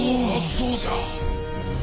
そうじゃ！